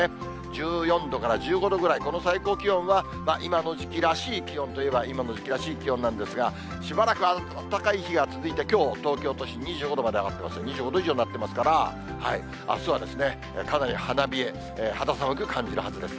１４度から１５度ぐらい、この最高気温は今の時期らしい気温といえば、今の時期らしい気温なんですが、しばらくあったかい日が続いて、きょう、東京都心２５度まで上がっています、２５度以上になっていますから、あすはかなり花冷え、肌寒く感じるはずです。